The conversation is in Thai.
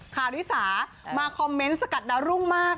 ข่าวดุ้ยสามาคอมเม้นต์สกัดดารุ่งมาก